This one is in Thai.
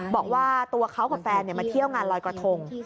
บอกว่าตัวเขากับแฟนมาเที่ยวงานลอยกระทง